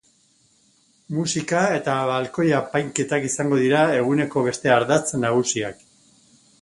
Musika eta balkoi apainketak izango dira eguneko beste ardartz magusiak.